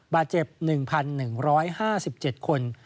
บาดเจ็บ๑๑๕๗คน